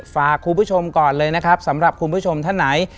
ฝากคุณผู้ชมก่อนเลยนะครับสำหรับคุณผู้ชมท่านไหน